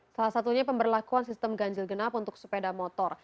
salah satunya pemberlakuan sistem ganjil genap untuk sepeda motor